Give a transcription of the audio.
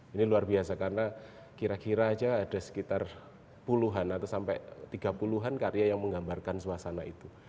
ini luar biasa karena kira kira aja ada sekitar puluhan atau sampai tiga puluh an karya yang menggambarkan suasana itu